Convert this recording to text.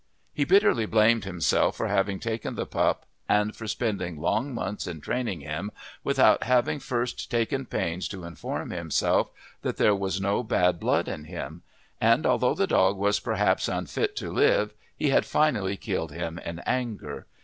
He bitterly blamed himself for having taken the pup and for spending long months in training him without having first taken pains to inform himself that there was no bad blood in him. And although the dog was perhaps unfit to live he had finally killed him in anger.